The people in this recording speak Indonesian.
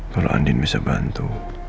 kalau andi bisa bantu